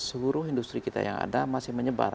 seluruh industri kita yang ada masih menyebar